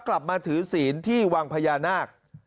กลับมาถือศีลที่วังพญานาค